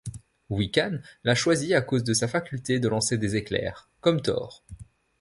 Wiccan l'a choisi à cause de sa faculté de lancer des éclairs, comme Thor.